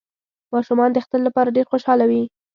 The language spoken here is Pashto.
ماشومان د اختر لپاره ډیر خوشحاله وی